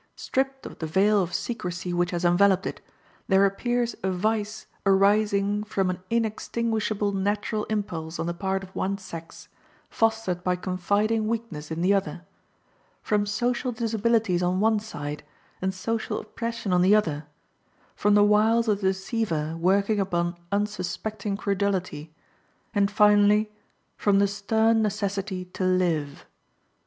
Stripped of the veil of secrecy which has enveloped it, there appears a vice arising from an inextinguishable natural impulse on the part of one sex, fostered by confiding weakness in the other; from social disabilities on one side, and social oppression on the other; from the wiles of the deceiver working upon unsuspecting credulity; and, finally, from the stern necessity to live.